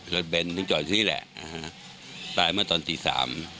รถเบนถึงจ่อยที่นี่แหละตายมาตอนตีสาม